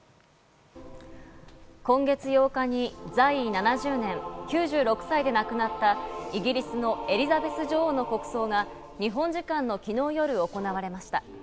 今月８日に在位７０年、９６歳で亡くなったイギリスのエリザベス女王の国葬が日本時間の昨日の夜、行われました。